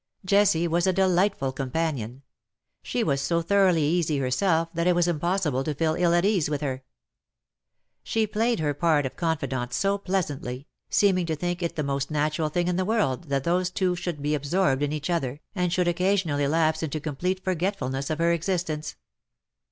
Jessie was a delightful companion. She was so thoroughly easy herself that it was impossible to feel ill at ease with her. She played her part of confidante so pleasantly^ seeming to think it the most natural thing in the world that those two should be absorbed in each other, and should occasionally lapse into com plete forgetfulness of her existence.